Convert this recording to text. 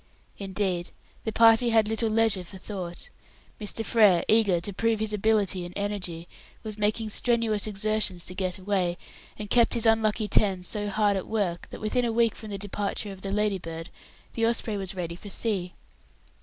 Indeed the party had little leisure for thought; Mr. Frere, eager to prove his ability and energy, was making strenuous exertions to get away, and kept his unlucky ten so hard at work that within a week from the departure of the Ladybird the Osprey was ready for sea.